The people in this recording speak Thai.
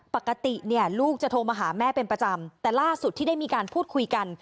ปกติเนี่ยลูกจะโทรมาหาแม่เป็นประจำแต่ล่าสุดที่ได้มีการพูดคุยกัน